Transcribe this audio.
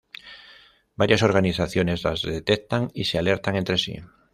Varias organizaciones las detectan y se alertan entre sí.